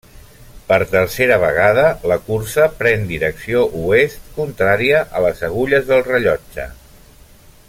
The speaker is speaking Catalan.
Per tercera vegada la cursa pren direcció oest, contrària a les agulles del rellotge.